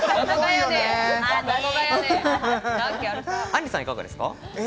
あんりさん、いかがですか？